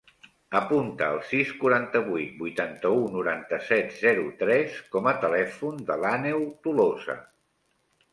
Apunta el sis, quaranta-vuit, vuitanta-u, noranta-set, zero, tres com a telèfon de l'Àneu Tolosa.